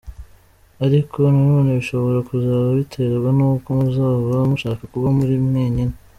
Ariko nanone bishobora kuzaba biterwa n’uko muzaba mushaka kuba muri mwenyine.